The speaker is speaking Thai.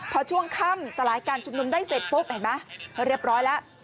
พอช่วงค่ำสลายการชุมนุมได้เสร็จปุ๊บหรือเปล่า